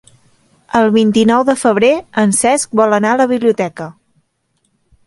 El vint-i-nou de febrer en Cesc vol anar a la biblioteca.